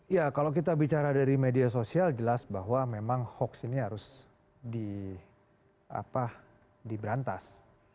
ya kalau kita bicara dari media sosial jelas bahwa memang hoax ini harus diberantas